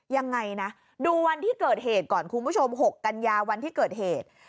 ยังไงนะดูวันที่เกิดเหตุก่อนคุณผู้ชม๖กันยาวันที่เกิดเหตุ